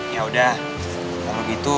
yaudah kalau gitu